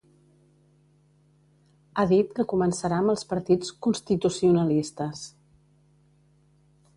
Ha dit que començarà amb els partits "constitucionalistes".